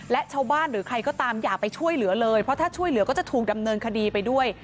และชาวบ้านหรือใครก็ตามอย่าไปช่วยเหลือเลยเพราะถ้าช่วยเหลือก็จะถูกดำเนินคดีไปด้วย